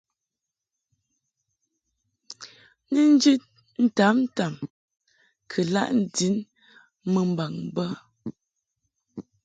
Ni njid ntamtam kɨ laʼ ndin mumbaŋ bə.